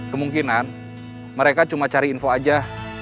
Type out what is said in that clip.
kemungkinan mereka cuma cari info aja